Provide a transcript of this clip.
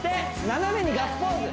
斜めにガッツポーズ